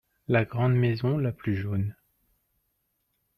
La grande maison la plus jaune.